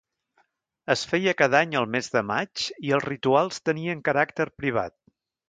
Es feia cada any al mes de maig i els rituals tenien caràcter privat.